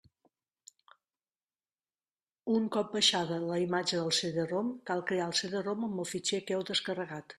Un cop baixada la imatge del CD-ROM, cal crear el CD-ROM amb el fitxer que heu descarregat.